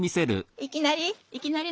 いきなり？